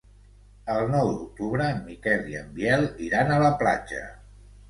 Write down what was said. El nou d'octubre en Miquel i en Biel iran a la platja.